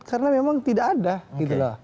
karena memang tidak ada gitu loh